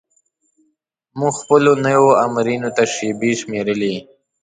موږ خپلو نویو آمرینو ته شیبې شمیرلې.